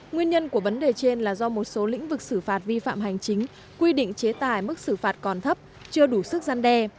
nguyên nhân của vấn đề trên là do một số lĩnh vực xử phạt vi phạm hành chính quy định chế tài mức xử phạt còn thấp chưa đủ sức gian đe